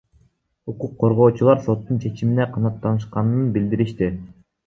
Укук коргоочулар соттун чечимине канааттанышканын билдиришти.